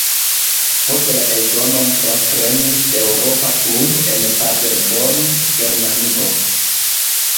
Poste la eldonon transprenis "Eŭropa Klubo" en Paderborn, Germanio.